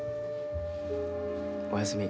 おやすみ。